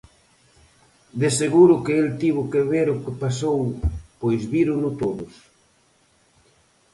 De seguro que el tivo que ver o que pasou, pois vírono todos.